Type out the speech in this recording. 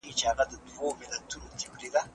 زه به سبا کتاب وليکم!؟